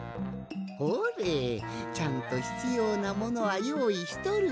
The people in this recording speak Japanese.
ほれちゃんとひつようなものはよういしとるし。